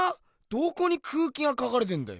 どこに空気が描かれてんだよ。